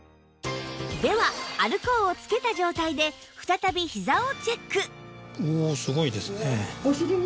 ではアルコーを着けた状態で再びひざをチェック